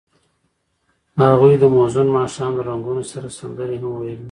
هغوی د موزون ماښام له رنګونو سره سندرې هم ویلې.